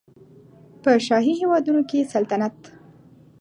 په شاهي هېوادونو کې سلطنت